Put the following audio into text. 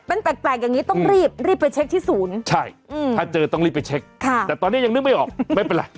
มันแปลกอย่างนี้ต้องรีบรีบไปเช็คที่ศูนย์ใช่ถ้าเจอต้องรีบไปเช็คแต่ตอนนี้ยังนึกไม่ออกไม่เป็นไร